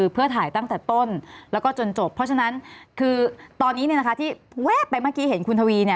เพราะฉะนั้นตอนนี้เมื่อกั้งที่เว๊บไปเห็นคุณทวี